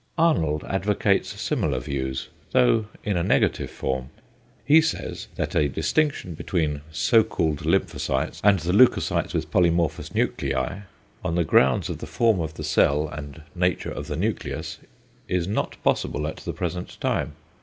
Arnold advocates similar views, though in a negative form. He says that a distinction between so called lymphocytes and the leucocytes with polymorphous nuclei, on the grounds of the form of the cell and nature of the nucleus, is not possible at the present time.